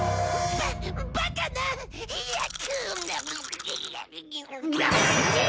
ババカな！